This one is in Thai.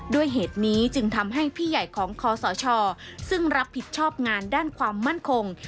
ด้วยเหตุนี้จึงทำให้พี่ใหญ่ของคอสชซึ่งรับผิดชอบงานด้านความมั่นคง